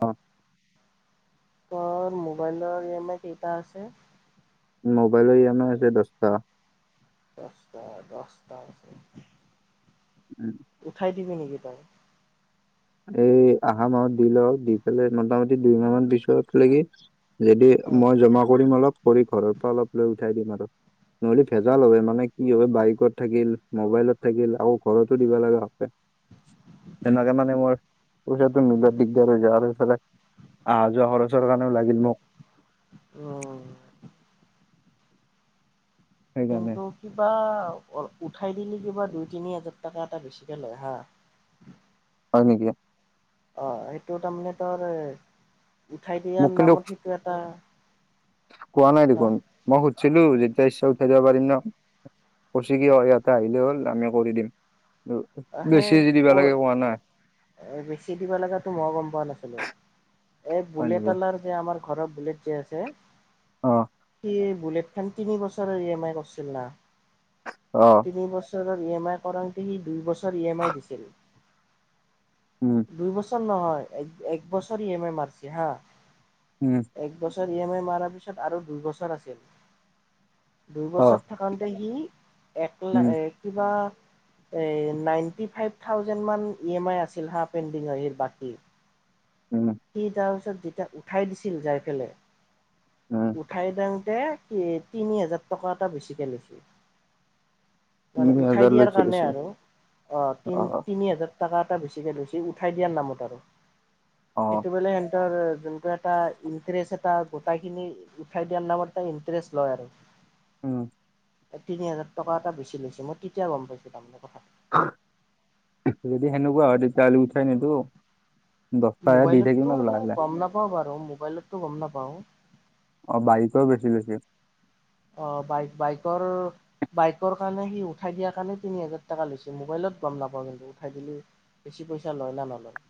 অ মোৰ মোবাইলৰ E M I কেইটা আছে? মোবাইল ই এম আই এতিয়া দহটা। দহটা দহটা আছে। উম উঠাই দিবি নেকি তাক? এই আহা মাহত দি লও দি পেলাই মোটামুটি দুইমাহমান পিছত লেকি যদি উম মই জমা কৰিম অলপ কৰি ঘৰৰ পৰা অলপ লৈ উঠাই দিম আৰু। নহলে ভেজাল হয় মানে কি হয় বাইকত থাকিল মবাইলত থাকিল আৰু ঘৰতো দিবা লগা হে সেনেকে মানে মোৰ পইচাতো মিলোৱা দিগদাৰ হৈ যায় আৰু সিফালে অহা যোৱা খৰচৰ কাৰণেও লাগিল মোক। অ সেইকাৰণে কিন্তু কিবা উঠাই দিলি কিবা দুই তিনি হাজাৰ টকা এটা বেছিকে লয় হা। হয় নেকি? অ' সেইটো তাৰমানে তাৰে উঠাই মোক দিয়াৰ কিন্তু নামত সেইটো এটা কোৱা নাই হা দেখোন মই সুধিছিলো যেতিয়া ইচ্ছা উঠাই দিব পাৰিম ন কৈছে কি ইয়াতে আহিলে হ'ল আমি কৰি দিম বেছি যে দিব লাগে কোৱা নাই। এ বেছি দিব লগাতো মই গম পোৱা নাছিলো এই হয় নেকি? বুলেট অনাৰ যে আমাৰ ঘৰৰ বুলেট যে আছে। অ সি বুলেটখন তিনি বছৰৰ ই এম আই কৰিছিল না অ তিনি বছৰৰ ইএমআই কৰাওঁতে সি দুই বছৰ ইএমআই দিছিল। [unintelligible] উম, দুই বছৰ নহয় এক-এক বছৰ ইএমআই মাৰিছে হা। [unintelligible] উম। [inaudible] এক বছৰ ইএমআই মৰাৰ পিছত আৰু দুই বছৰ আছিল। দুই অ', বছৰত [unintelligible] থাকোঁংতে সি এক লা উম, এক [unintelligible] কিবা এ নাইনটি ফাইভ থাউজেন্ড মান ইএমআই আছে [unintelligible] চিন্হা [unintelligible] পেইণ্ডিংৰ এইৰ বাকী। উম। [unintelligible] সি তাৰ পিছত যেতিয়া উঠাই দিছিল যাই পেলে [unintelligible] উম। [inaudible] উঠাই দিওঁতে এ তিনি হাজাৰ টকা এটা বেছিকৈ লৈছিল। [unintelligible] মানে তিনি উঠাই হাজাৰ লৈ দিয়াৰ কাৰণে চলিছিল আৰু অঁ তিন অ', তিনি হাজাৰ [unintelligible] টকা এটা বেছিকৈ লৈছিল উঠাই দিয়াৰ নামত আৰু। অ', সেইটো বোলে [unintelligible] [unintelligible] ৰ যোনকৈ এটা ইণ্টাৰেষ্ট এটা গোটেইখিনি উঠাই দিয়াৰ নামত এটা ইণ্টাৰেষ্ট লয় আৰু। উম। [unintelligible] এই তিনি হাজাৰ টকা এটা বেছি লৈছে মই কেতিয়া গম পাইছোঁ তাৰমানে কথা। [unintelligible] [unintelligible] যদি সেনেকুৱা হয় তেতিয়াহ'লে উঠাই নিদিওঁ। মোবাইলতটো লাহে। গম নাপাওঁ বাৰু, মোবাইলতটো গম নাপাওঁ। [unintelligible] অঁ! বাইকো বেছি লৈছে? [unintelligible] অ! বাইক-বাইকৰ [unintelligible] বাইকৰ কাৰণে সি উঠাই দিয়াৰ কাৰণে তিনি হাজাৰ টকা লৈছে। মোবাইলত গম নাপাওঁ কিন্তু উঠাই দিলো [unintelligible] বেছি পইচা লয় না নলয়? [unintelligible]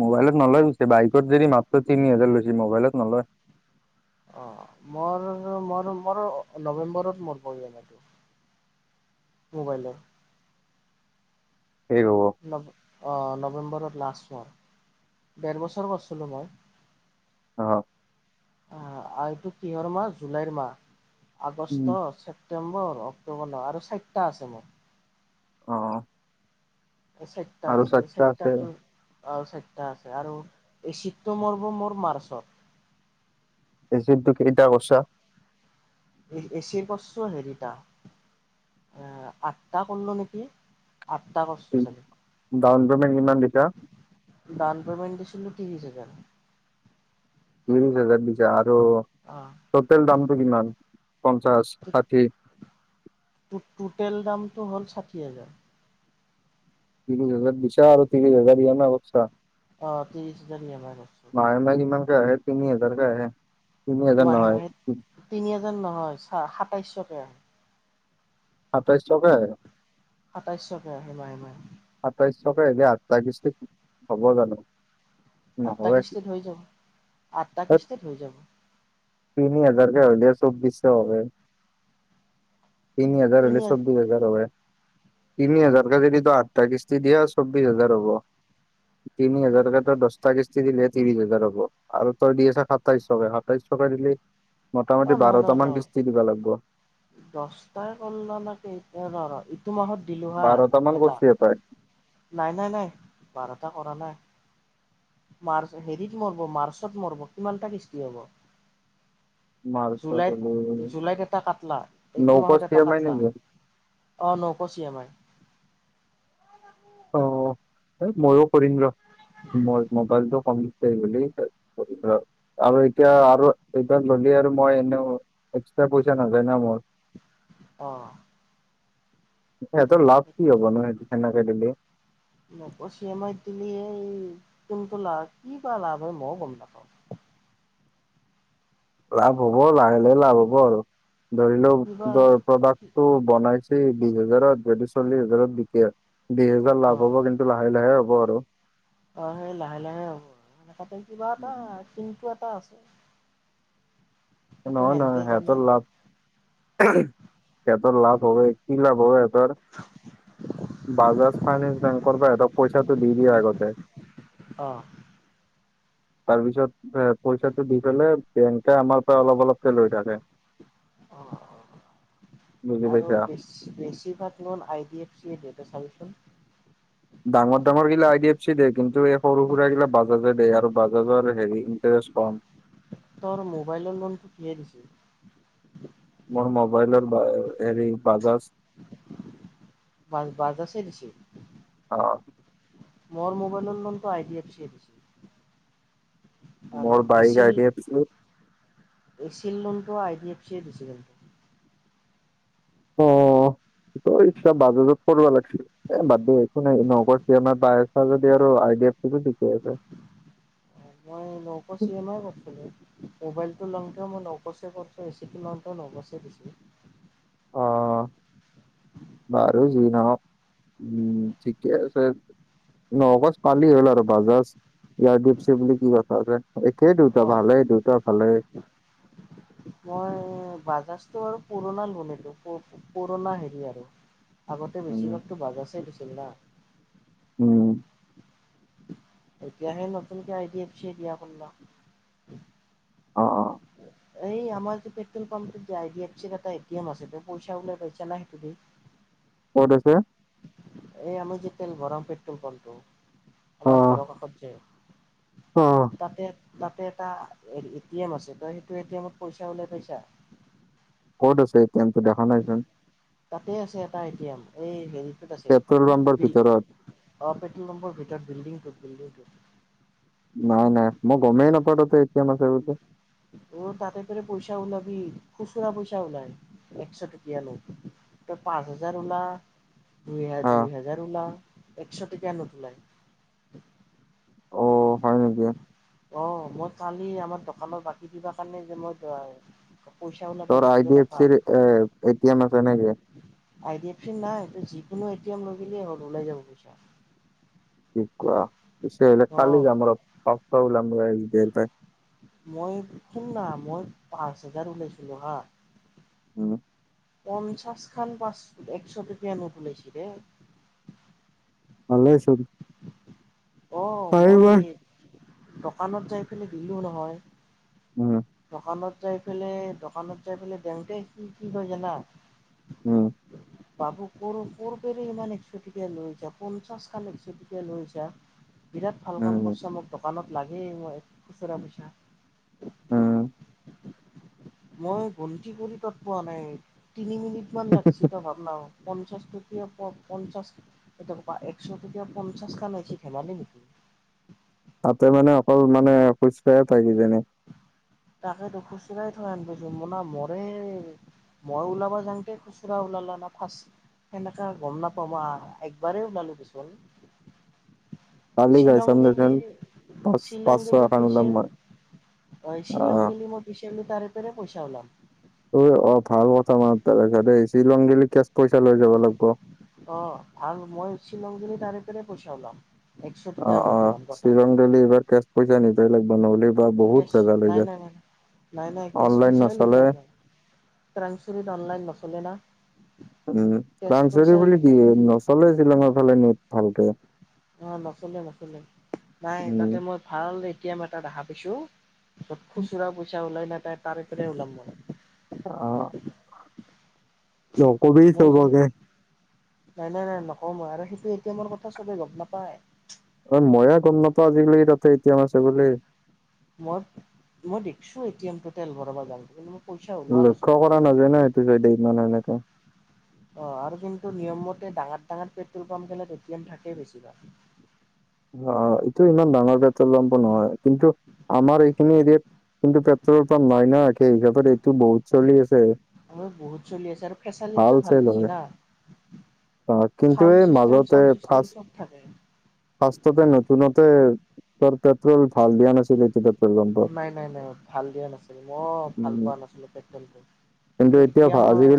মোবাইলত নলয় বেছি, বাইকত যদি মাত্ৰ তিনি হাজাৰ লৈছে, মোবাইলত নলয়। [inaudible] অঁ! মোৰ-মোৰ-মোৰ নৱেম্বৰত মোৰ প্ৰয়োজন এইটো। [unintelligible] মোবাইলৰ [unintelligible] সেই ৰহ [unintelligible] নৱ অঁ! নৱেম্বৰত লাষ্ট মোৰ। [unintelligible] ডেৰ বছৰ কৰিছিলো মই। [inaudible] অঁ! [inaudible] আহ এইটো কিহৰ মাহ জুলাইৰ মাহ। উম, আগষ্ট, চেপ [unintelligible] চেপ্টেম্বৰ, অক্টোবৰ ন আৰু চাৰিটা আছে মোৰ। [inaudible] অঁ! [unintelligible] এই চাৰিটা আছে। আছে চাৰিটাটো [unintelligible] আৰু চাৰিটা আছে আৰু এই চিফ্টটো মৰিব মোৰ মাৰ্চত। [unintelligible] এচিৰটো কেইটা কৰিছা? [unintelligible] এচিৰ কৰিছো হেৰিটা [inaudible] এ আঠটা কৰিলোঁ নেকি? আঠটা কৰিছো চাগে। ডাউন পেমেণ্ট কিমান দিছা? [unintelligible] ডাউন পেমেণ্ট দিছিলোঁ ত্ৰিছ হাজাৰ। [inaudible] ত্ৰিছ হাজাৰ দিছা আৰু [inaudible] অঁ! [unintelligible] তোটেল দামটো কিমান পঞ্চাশ, ষাঠি? [unintelligible] তোটেল দামটো হ'ল ষাঠি হাজাৰ। [unintelligible] ত্ৰিছ হাজাৰ দিছা আৰু ত্ৰিছ হাজাৰ ইএমআই কৰিছা? [unintelligible] অ! ত্ৰিছ হাজাৰ ইএমআই কৰিছোঁ। [unintelligible] মাহে-মাহে কিমানকে আহে? তিনি হাজাৰকে আহে? [unintelligible] হাজাৰ মাহে নহয় মাহে তিনি হাজাৰ নহয় চা সাতাইছশকে। সাতাইছশকে। সাতাইছশকে আহে মাহে মাহে। সাতাইছশকে অহিলে আঠটা কিস্তিত হ'ব জানো। আঠটা নহয় কিস্তিত হৈ যাব আঠটা কিস্তিত হৈ যাব। তিনি হাজাৰ কে হলে চৌবিছশ হয়গে। তিনি হাজাৰ হলে চৌবিশ হাজাৰ হয় তিনি হাজাৰ কে যদি তই আঠ- টা কিস্তি দিয়া চৌবিশ হাজাৰ হ'ব। তিনি হাজাৰকে তই দহটা কিস্তি দিলেহে ত্ৰিশ হাজাৰ হ'ব। আৰু তই দি থাকা তয় সাতাইশছকে দিলি অ মোটামোটি নহয় নহয় বাৰটা মান নহয় কিস্তি দিব লাগিব। দহটাই কলে নেকি এতিয়া ৰ'ৰ। টো মাহত দিলো হাঁ বাৰটা মান এটা কৰিছে পাই নাই নাই নাই বাৰটা কৰা নাই। মাৰ্চ হেৰিত মৰব মাৰ্চত মৰব কিমানটা কিষ্টি হ'ব? তাৰপিছত জুলাইত জুলাইত এটা কাটলা এইটো নৌকচ মাহত এটা ই এম আই কাটলা। নেকি অঁ নপচ ইয়েম আই। অঁ এইত মইয়ো কৰিম ৰ মই মোবাইলটো- কমতে বুলি কৰিব- আৰু এতিয়া আৰু এইবাৰ ল'লে আৰু মই এনেও এক্সট্ৰা পইচা নাযায় ন মোৰ। অঁ। সিহতৰ লাভ কি হব নো সেই সেনেকে দিলে? নপচ ইয়েমাইত দিলে কিন্তু লাভ কি বা লাভ হয় মইও গম নাপাওঁ। লাভ হ'ব লাহে লাহে লাভ হ'ব আৰু ধৰি লওক কিবা ধৰ প্ৰডাক্ট- টো বনাইছে বিশ হাজাৰত যদি চল্লিশ হাজাৰত বিকে- দুই হেজাৰ লাভ হ'ব কিন্তু, লাহে লাহে হ'ব আৰু। অঁ সেই লাহে লাহে হ'ব আৰু মানে তাতে কিবা এটা কিন্তু এটা আছে। সেইটো নহয় নহয় সেনতে জানে সিহঁতৰ লাভ- সিহঁতৰ লাভ হবৈ কি লাভ সিহঁতৰ- বাজাজ ফাইনেন্স বেংকৰ এহতক পইচাটো দি দিয়ে আগতে। অঁ। [inaudible] তাৰ পিছত এ পইচাটো দি থলে বেংকে আমাৰ পৰা অলপ অলপকে লৈ থাকে। অঁ অঁ অ বুজি আৰু পাইছা। বিছ- বেছিভাগ লোন আই ডি এফ চিৰ দিয়ে তয় চাবিচোন। ডাঙৰ ডাঙৰ গিলা আই ডি এফ চি দেই কিন্তু এই সৰু সুৰা গিলা বাজাজে দেই আৰু বাজাজৰ হেৰি ইণ্টাৰেষ্ট কম। তৰ মোবাইলৰ লোনটো কিহে দিছিল। মোৰ মোবাইলৰ হেৰি বাজাজ- বাৰ বাজাছে দিছিল। অঁ। মোৰ মোবাইলৰ লোনটো আই ডি এফ চিয়ে দিছিল। আৰু মোৰ বাইক এইছিল- আই ডি এফ চি। এচিৰ লোনটো আই ডি এফ চিয়ে দিছিলে। অঁ তোৰ ইচ্ছা বাজাজত কৰিব লাগিছিল। এ বাদ দে একো নাই নগৰ চি এম পাইছ যদি আৰু আই ডি এফ চি কো দি থৈ আছে। মই নকৰ চি এম আই কৈছিলোঁ। মোবাইলটো লওঁতে মই নকচেপত এ চিটো লওঁতে নকচে দিছিল। অৱ। বাৰু যি নহক, উম ঠিকে আছে। নগজ পালি হ'ল আৰু বাজাজ ইয়াৰ দিপচ বুলি কি কথা আছে। একেই দুটা অঁ ভালেই দুটা ভালেই। মই বাজাজটো আৰু পুৰণা লোন সেইটো পুৰণা হেৰি আৰু আগতে উম বেছিভাগতো বাজছেই দিছিল না। উম। এতিয়া সে নতুনকে আই ডি এফ চি এ দিয়া কোৰ লা। অ অ [unintelligible] এই আমাৰ যে পেট্ৰল পাম্পটোত যেই ডি এফ চিৰ এটা এ টি এম আছে ত পইচা ওলাই পাইছা না সেইটো দি। ক'ত আছে? এই আমি যে তেল ভৰাও পেট্ৰল পামটো। আমাৰ ঘৰৰ কাষত যে। অৱ। তাতে তাতে এটা এ টি এম আছে তই সেইটো এ টি এমত পইচা ওলাই পাইছা? ক'ত আছে এতিনো দেখা নাইচোন। তাতে আছে এটা এ টি এম এই হেৰিটোত আছে, পেট্ৰল পাম্পৰ বিল ভিতৰত অ পেট্ৰল পাম্পৰ ভেতিৰত বিল্ডিটোত বিল্ডিটোত। নাই নাই মই গমেই নাপাওতো এ টি এম আছে বুলি। অ তাতে ত পইচা ওলাবি খুচুৰা পইচা ওলাই একশ টকীয়া নোট। তই পাঁচ হাজাৰ ওলা দুই হা অ দুই হোজাৰ ওলা একশ টকীয়া নোট ওলাই। অ হয় নেকি অৱ মই কালি আমাৰ দোকানৰ বাকী কিবা কাৰণে যে মই যোৱাই পইচাও ওলাই তোৰ আই ডি এফ চিৰ এ এটি এম আছে নেকি? আই ডি এফ চিৰ নাই, তই যিকোনো এ টি এম লয়ই গ'লে হ'ল ওলাই যাব পইচা। কি কোৱা পিছে আহিলে কালি অ', যাম ৰ [unintelligible] মই শুন না মই পাঁচ হোজাৰ ওলাইছিলো হা। উম। পঞ্চাশ খন পাঁচু একশ টকীয়া নোট ওলাইছে ৰেই। ভালে হৈছে অৱ মই দোকানত যাই পেলাই দিলোঁ নহয়। উম। দোকানত যাই পেলাই দোকানত যাই পেলাই দেংতে কি কি কয় জানা। [inaudible] বাবু ক ক'বেৰে ইমান একশ টকীয়া লৈছা পঞ্চাশ খন একশ টকীয়া লৈছা। বিৰাট ভাল কাম উম কৰিছা মোক দোকানত লাগে মই খুচুৰা পইচা। উম [inaudible] মই গনতি কৰি তত পোৱা নাই তিনি মিনিট মান লাগছে তই ভাবনাও। পঞ্চাছ টকীয়া পঞ্চাছ কেতি একশ টকীয়া পঞ্চাছ খন হৈছে ধেমালি নেকি। তাতে মানে অকল মানে অ খোজকাঢ়ে পাই কিজানি। তাকেইতো খুচৰাই থয় হেন পাইছো না মৰে মই ওলাব যাওঁতেই খুচুৰা ওলালা না ফাৰ্ষ্ট। সেনেকা গম নাপাওঁ মই একবাৰেেই ওলালো দেচোন। কালি যাই শ্বিলং চাম ভেলি দেচোন পাঁচ শ্বিলং পাঁচশ ভেলি এখন ওলাম পিছে মই হয় অ শ্বিলং ভেলি মই বিচাৰিলে জাৰে-তাৰে পইচা ওলাম ঐ অ ভাল কথা মনত পেলাই সিঁহতে শ্বিলং ভেলি কেচ পইচা লৈ যাব লাগব অ ভাল মই শ্বিলং গেলে জাৰে-তাৰে পইচা ওলাম একশ টকীয়া নুটউলাম গটাই এইবেলি এইবাৰ কেচ পইচা নিবই লাগব নহলে বা বহুত কেচ ভেজাল হৈ নাই যায় নাই নাই নাই নাই কেছ অনলাইন পইচাই লৈ নচলে যাম মই ট্ৰাঙচিলিত অনলাইন নচলে না? উম কেছ ক্ৰাংচেৰি পইচাই বুলি লৈ কি যাম নচলে শ্বিলঙৰ ফালে নেট ভালকে অ নচলে নচলে নাই উম তাতে মই ভাল এতিয়া এটা দেখা পিইছো য'ত খুচুৰা পইচা ওলাই না তই তাৰে তাৰে ওলাম মই অ নকবি মই গম চবকে নাই নাই নাই নকওঁ মই আৰু সেইটো এ টি এমৰ কথা চবে গম নাপায় অ ময়ে গম নাপাও আজিকালি তাতে এ টি এম আছে বুলি মই মই দেখছো এ টি এমটো তেল ভৰাব যাংতে কিন্তু মই পইচা ওলোৱা লক্ষ্য নাছিলোঁ কৰা নাযায় ন সেইটো চাইদে ইমান এনেকা অ আৰু কিন্তু নিয়ম মতে ডাঙৰ ডাঙৰ পেট্ৰল পাম্প গিলাত এ টি এম থাকেই বেছিভাগ অ এইটো ইমান ডাঙৰ পেট্ৰল পাম্প নহয় কিন্তু আমাৰ এইখিনি এৰিয়াত কিন্তু পেট্ৰলৰ পাম্প নাই না একে ইজাপত এইটো বহুত চলি আছে উম বহুত চলি আছে আৰু ফেচালিটিও ভাল চেল দিছে হয় না অ কিন্তু চাউণ্ড এই চিষ্টেম চাউণ্ড চিষ্টেম চব থাকে ফাষ্টতে নতুনতে চৰকাৰ নাই নাই নাই ভাল দিয়া নাছিল মই ভাল উম পোৱা নাছিলোঁ পেট্ৰলটো কিন্তু এতিয়া মই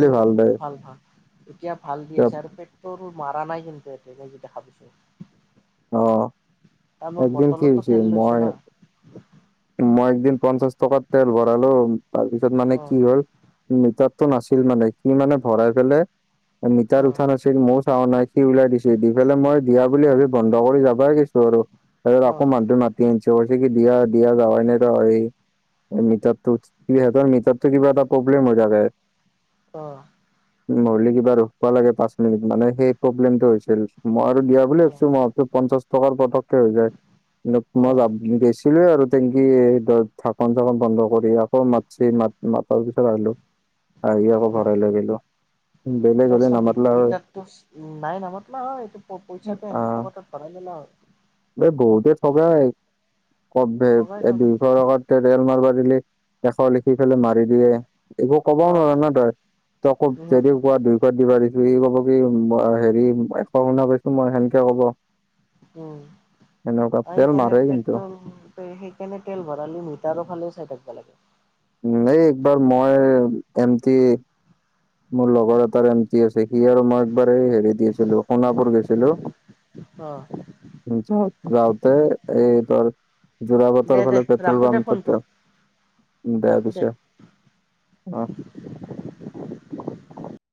ভাল ভাল এতিয়া ভাল দি এতিয়া আছে আৰু পেট ট্ৰল মাৰা নাই কিন্তু এতিয়া যি দেখা পাইছোঁ অ আৰু মই একদিন কি বটলতো হৈছে তেল লৈছোঁ মই না মই একদিন পঞ্চাশ টকাত তেল ভৰালো তাৰপিছত মানে অ', কি হ'ল মিটাৰটো নাছিল মানে সি মানে ভৰাই পেলাই মিটাৰ অ', উঠা নাছিল মও চৱা নাই সি ওলাই দিছে দি পেলাই মই দিয়া বুলি ভাবি বন্ধ কৰি যাবাই গৈছো আৰু আকৌ অ', মানুহটোয়ে মাতি আনিছে কৈছে কি দিয়া দিয়া যাৱাই নাই ত সেই মিটাৰটোত সিহঁতৰ মিটাৰটো কিবা এটা প্ৰব্লেম হৈ থাকে অ নহলে কিবা ৰখব লাগে পাঁচ মিনিট মানে সেই প্ৰব্লেমটো হৈছিল মই আৰু দিয়া বুলি অ'। ভাবিছো মই ভাবিছো পঞ্চাশ টকাৰ পতককে হৈ যায় কিন্তু মই অ', বেছি গৈছিলোয়ে আৰু টেংকি ঢাকন-চাকন বন্ধ কৰি আকৌ মাতছে মাত মাতাৰ পিছত আহিলো আহি আকৌ ভৰাই লৈ গেলো তাপিছত মি মিটাৰতো নাই নামত না এইটো পইচাটো হেত পকেটত ভৰাইলয় ন এ বহুতে থগাই কমবে ঠগাই বে ঠগাই দুইশ টকাত তেল মাৰব দিলি এশ লিখি পেলাই মাৰি দিয়ে একো ক'বও অ নোৱাৰ ন তই, তই আকৌ উম যদি কোৱা দুই তই দি থৈ আহিব কবি মই হেৰি এশ শুনা পাইছো মই সেনকে কব উম এনেকুৱা আৰু তেল সেইকাৰণে মাৰে কিন্তু পেট্ৰল সেইকাৰণে তেল ভৰালো মিটাৰৰ ফালে চাই থাকব লাগে উম এই একবাৰ মই এমটি মোৰ লগৰ এটাৰ এমটি আছে, সি আৰু মই একবাৰ এই হেৰিত গেছিলো সোণাপুৰ গৈছিলো। অ [inaudible] যাওতে এই তোৰ জোৰা দে বাটৰ দে ফালে পেট্ৰল ৰাখো দে ফোনটো পাম্পটোতো বেয়া ৰাখো দে পিছে। অহ।